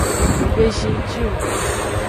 Nggbe zinji o.